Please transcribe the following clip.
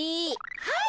はい。